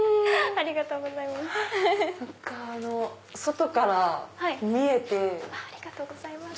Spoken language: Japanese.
ありがとうございます。